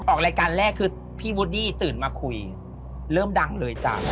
ออกรายการแรกคือพี่วูดดี้ตื่นมาคุยเริ่มดังเลยจ้ะ